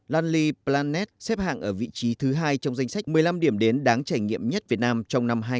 landy planet xếp hạng ở vị trí thứ hai trong danh sách một mươi năm điểm đến đáng trải nghiệm nhất việt nam trong năm hai nghìn hai mươi